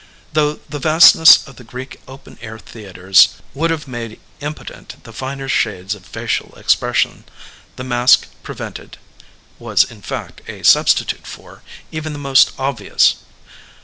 Though the vastness of the Greek open air theatres would have made impotent the finer shades of facial expression, the mask prevented — ^was, in fact, a sub stitute for — even the most obvious.